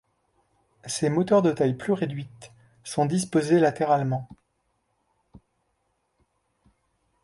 Ces moteurs de taille plus réduite sont disposés latéralement.